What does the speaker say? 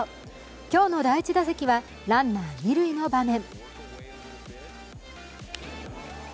今日の第１打席はランナー、二塁の場面